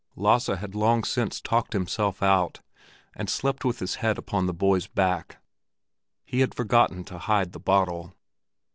Lasse had long since talked himself out, and slept with his head upon the boy's back. He had forgotten to hide the bottle.